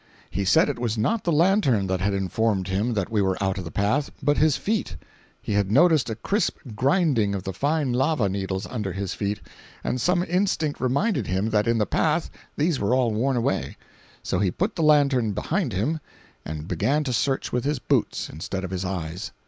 He said it was not the lantern that had informed him that we were out of the path, but his feet. He had noticed a crisp grinding of fine lava needles under his feet, and some instinct reminded him that in the path these were all worn away. So he put the lantern behind him, and began to search with his boots instead of his eyes.